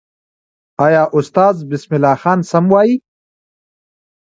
آیا استاد بسم الله خان سم وایي؟